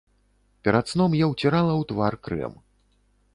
Перад сном я ўцірала ў твар крэм.